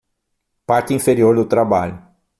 Parte inferior do trabalho